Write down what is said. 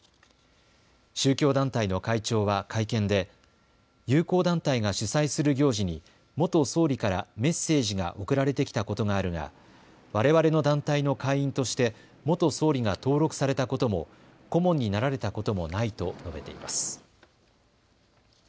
宗教団体の会長は会見で友好団体が主催する行事に元総理からメッセージが送られてきたことがあるがわれわれの団体の会員として元総理が登録されたことも顧問になられたこともないと述べています。